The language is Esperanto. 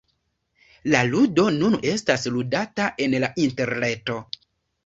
La ludo nun estas ludata en la interreto.